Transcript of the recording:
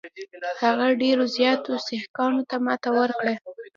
هغه ډېرو زیاتو سیکهانو ته ماته ورکړه.